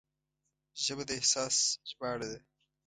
ژبه د احساس ژباړه ده